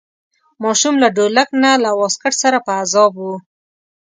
ماشوم له ډولک نه له واسکټ سره په عذاب و.